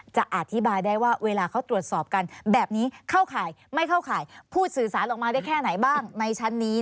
จะอธิบายได้ว่าเวลาเขาตรวจสอบกับการแบบนี้